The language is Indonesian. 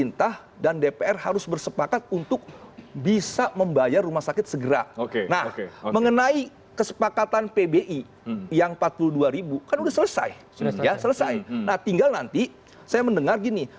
nah ya kan artinya